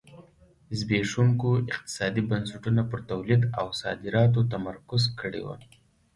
زبېښونکو اقتصادي بنسټونو پر تولید او صادراتو تمرکز کړی و.